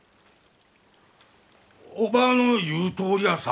おばぁの言うとおりヤサ。